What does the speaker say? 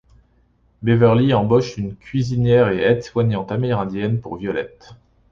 Beverly embauche une cuisinière et aide soignante amérindienne pour Violet.